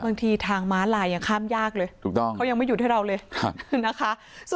บางทีทางม้าลายยังข้ามยากเลยถูกต้องเขายังไม่หยุดให้เราเลยนะคะ